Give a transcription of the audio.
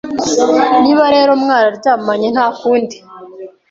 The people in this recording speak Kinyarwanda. Niba rero mwararyamanye ntakundi